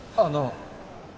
あの。